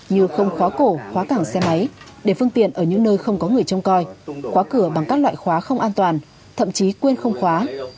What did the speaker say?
như không khóa cổ khóa cảng xe máy để phương tiện ở những nơi không có người trông coi khóa cửa bằng các loại khóa không an toàn thậm chí quên không khóa